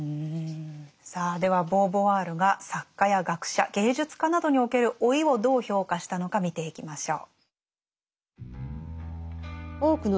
さあではボーヴォワールが作家や学者芸術家などにおける老いをどう評価したのか見ていきましょう。